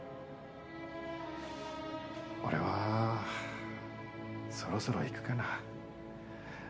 俺はそろそろ行くかな。